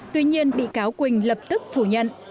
tuy nhiên bị cáo quỳnh lập tức phủ nhận